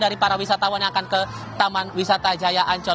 dari para wisatawan yang akan ke taman wisata jaya ancol